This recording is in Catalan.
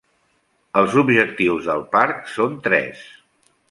Els objectius del parc són tres.